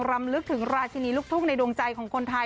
รำลึกถึงราชินีลูกทุ่งในดวงใจของคนไทย